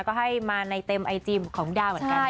ก็ให้มาในเต็มไอจีของพี่ดาวเหมือนกัน